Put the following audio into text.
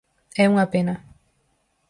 É unha pena.